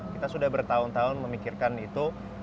kita sudah bertahun tahun memikirkan itu